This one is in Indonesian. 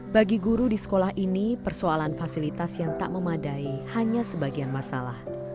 bagi guru di sekolah ini persoalan fasilitas yang tak memadai hanya sebagian masalah